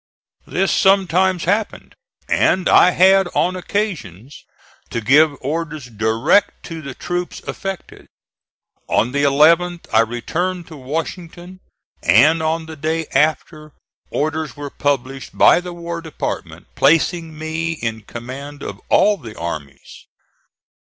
This sometimes happened, and I had on occasions to give orders direct to the troops affected. On the 11th I returned to Washington and, on the day after, orders were published by the War Department placing me in command of all the armies.